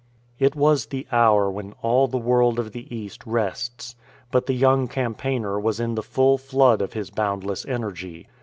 It was the hour when all the world of the East rests. But the young campaigner was in the full flood of his boundless energy.